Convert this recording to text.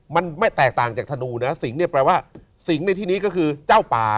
มันไม่แตกต่างจากธนูนะสิงห์เนี่ยแปลว่าสิงห์ในที่นี้ก็คือเจ้าป่า